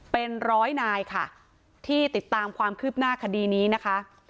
เป็นร้อยนายค่ะที่ติดตามความคืบหน้าคดีนี้นะคะ